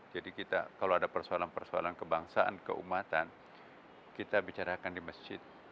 jadi kita kalau ada persoalan persoalan kebangsaan keumatan kita bicarakan di masjid